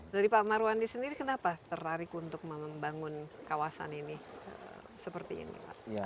dari pak marwandi sendiri kenapa tertarik untuk membangun kawasan ini seperti ini pak